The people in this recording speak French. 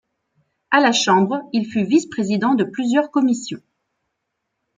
À la Chambre, il fut vice-président de plusieurs commissions.